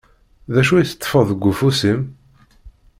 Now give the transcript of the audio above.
D acu i teṭṭfeḍ deg ufus-im?